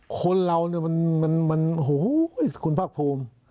คนเราเนี่ยมันมันมันโหคุณภักษ์ภูมิ